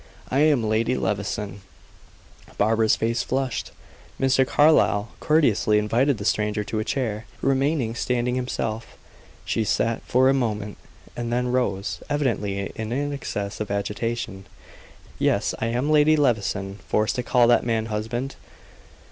I am Lady Levison." Barbara's face flushed. Mr. Carlyle courteously invited the stranger to a chair, remaining standing himself. She sat for a moment, and then rose, evidently in an excess of agitation. "Yes, I am Lady Levison, forced to call that man husband.